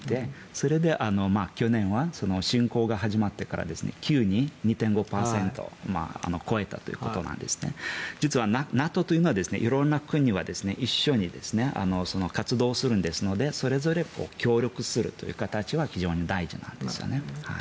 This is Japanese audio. それで去年は侵攻が始まってから２．５％を超えたということなんですが実はＮＡＴＯというのは実はＮＡＴＯというのは色んな国が一緒に活動するので協力する形は非常に大事なんですね。